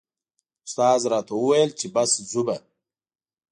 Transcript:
استاد راته و ویل چې بس ځو به.